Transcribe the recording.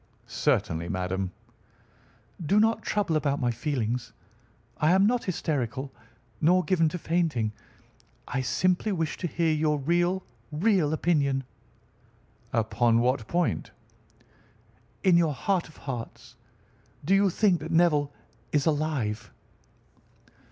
"Certainly, madam." "Do not trouble about my feelings. I am not hysterical, nor given to fainting. I simply wish to hear your real, real opinion." "Upon what point?" "In your heart of hearts, do you think that Neville is alive?"